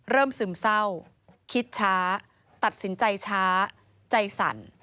ซึมเศร้าคิดช้าตัดสินใจช้าใจสั่น